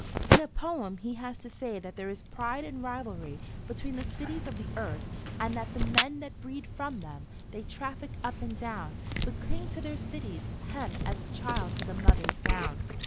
In a poem he has to say that there is pride and rivalry between the cities of the earth, and that "the men that breed from them, they traffic up and down, but cling to their cities' hem as a child to the mother's gown."